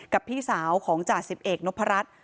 กับพี่สาวของจ่า๑๑นพรัช